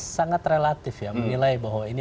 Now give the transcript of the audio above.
sangat relatif ya menilai bahwa ini